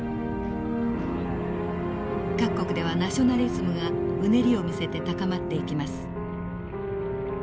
各国ではナショナリズムがうねりを見せて高まっていきます。